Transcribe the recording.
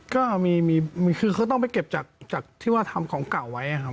ก็คือเขาต้องไปเก็บจากที่ว่าทำของเก่าไว้ครับ